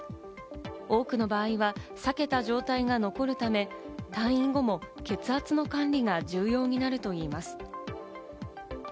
多くの場合は裂けた状態が残るため、退院後も血圧の管理が重要になるといいます。